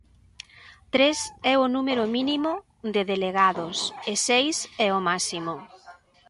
Tres é o número mínimo de delegados e seis é o máximo.